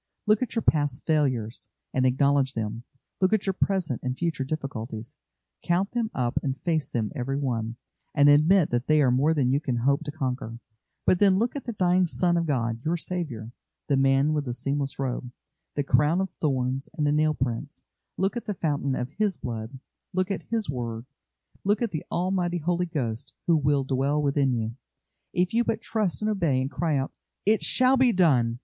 Look at your past failures, and acknowledge them; look at your present and future difficulties, count them up and face them every one, and admit that they are more than you can hope to conquer; but then look at the dying Son of God, your Saviour the Man with the seamless robe, the crown of thorns, and the nail prints; look at the fountain of His Blood; look at His word; look at the Almighty Holy Ghost, who will dwell within you, if you but trust and obey, and cry out: "It shall be done!